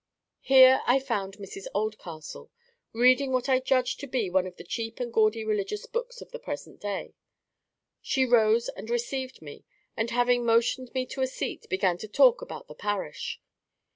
Here I found Mrs Oldcastle, reading what I judged to be one of the cheap and gaudy religious books of the present day. She rose and RECEIVED me, and having motioned me to a seat, began to talk about the parish.